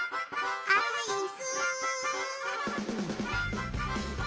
アイス！